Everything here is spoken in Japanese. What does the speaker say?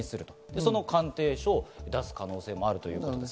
その鑑定書を出す可能性もあるということです。